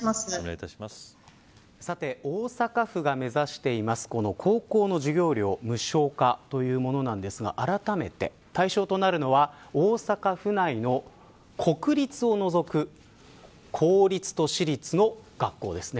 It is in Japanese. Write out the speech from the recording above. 大阪府が目指している高校の授業料無償化というものですがあらためて、対象となるのは大阪府内の国立を除く公立と私立の学校です。